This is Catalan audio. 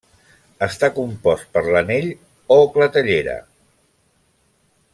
Està compost per l'anell o clatellera?